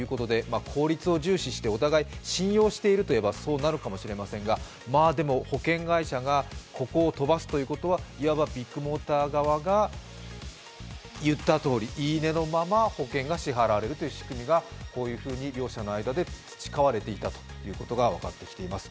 効率を重視して、お互い、信用しているといえばそうなるかもしれませんが、まあ、でも保険会社がここを飛ばすということはいわばビッグモーター側が言ったとおり、言い値のまま保険が支払われるという仕組みがこういうふうに両者の間で培われていたということが分かります。